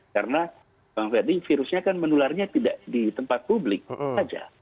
karena pak fethi virusnya kan menularnya tidak di tempat publik saja